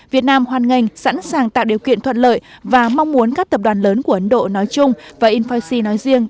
việt nam hoan nghênh sẵn sàng tạo điều kiện thuận lợi và mong muốn các tập đoàn lớn của ấn độ nói chung và infocy nói riêng